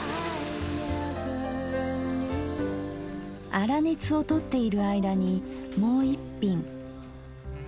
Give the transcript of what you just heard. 粗熱をとっている間にもう一品。